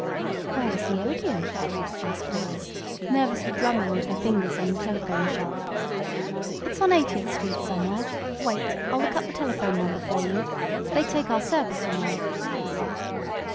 "Where is the Odeon?" asked Alice, nervously drumming with her fingers on the telephone shelf. "It's on Eightieth Street somewhere. Wait, I'll look up the telephone number for you. They take our service, you know."